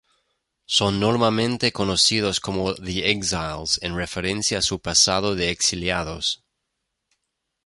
Son normalmente conocidos como "The Exiles" en referencia a su pasado de "exiliados".